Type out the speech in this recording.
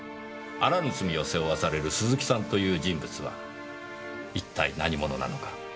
あらぬ罪を背負わされる鈴木さんという人物は一体何者なのか。